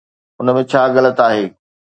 ان ۾ ڇا غلط آهي؟